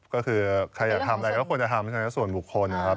ก็คือใครอยากทำอะไรก็ควรจะทำก็ส่วนบุคคลนะครับ